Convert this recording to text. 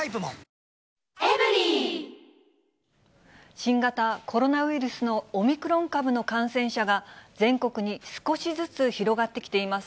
新型コロナウイルスのオミクロン株の感染者が、全国に少しずつ広がってきています。